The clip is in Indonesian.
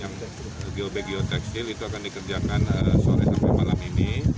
yang geobek geotekstil itu akan dikerjakan sore sampai malam ini